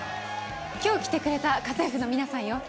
今日来てくれた家政婦の皆さんよ。